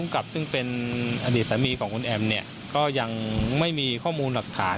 ก็ยังไม่มีข้อมูลหลักฐาน